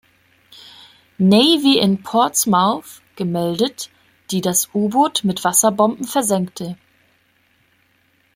Navy in Portsmouth gemeldet, die das U-Boot mit Wasserbomben versenkte.